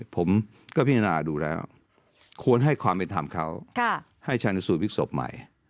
ผมก็พิจารณาดูแล้วควรให้ความเป็นธรรมเขาให้ชันสูตรพลิกศพใหม่